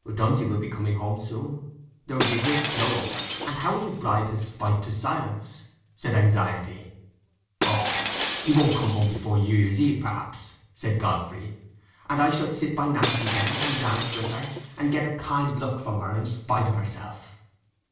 "Dunsey will be coming home soon: there will be a great blow up, and how will you bribe his spite to silence?" said Anxiety. "Oh, he won't come home before New Year's Eve, perhaps," said Godfrey; "and I shall sit by Nancy then, and dance with her, and get a kind look from her in spite of herself."